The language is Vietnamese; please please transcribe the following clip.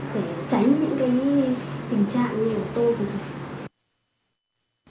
để tránh những tình trạng như của tôi